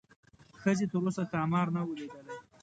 ښځې تر اوسه ښامار نه و لیدلی.